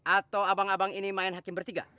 atau abang abang ini main hakim bertiga